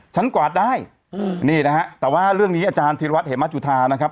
กวาดได้อืมนี่นะฮะแต่ว่าเรื่องนี้อาจารย์ธิรวัตเหมจุธานะครับ